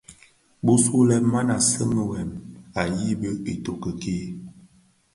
Bisulè maa seňi wêm a yibi itoki kii.